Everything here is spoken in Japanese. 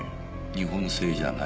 日本製じゃない。